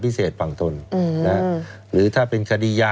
พิเศษฝั่งทนหรือถ้าเป็นไป